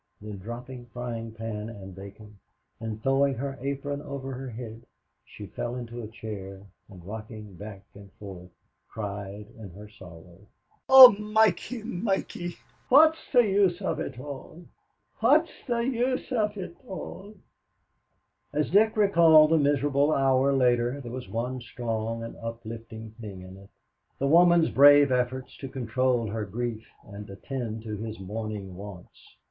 Then, dropping frying pan and bacon, and throwing her apron over her head, she fell into a chair and rocking back and forth, cried in her sorrow: "O Mikey, Mikey! What's the use of it all? What's the use of it all?" As Dick recalled the miserable hour later, there was one strong and uplifting thing in it the woman's brave efforts to control her grief and attend to his morning wants.